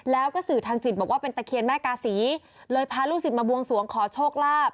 แล้วก็สื่อทางจิตบอกว่าเป็นตะเคียนแม่กาศีเลยพาลูกศิษย์มาบวงสวงขอโชคลาภ